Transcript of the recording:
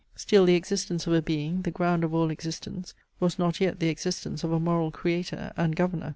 Still the existence of a Being, the ground of all existence, was not yet the existence of a moral creator, and governour.